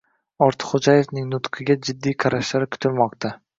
Ortiqxo'jaevning nutqiga jiddiy qarashlari kutilmoqda